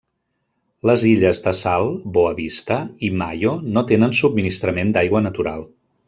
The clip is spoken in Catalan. Les illes de Sal, Boa Vista, i Maio no tenen subministrament d'aigua natural.